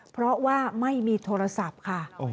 เพราะว่าไม่มีโทรศัพท์ค่ะ